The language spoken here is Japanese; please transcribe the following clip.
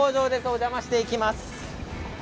お邪魔していきます。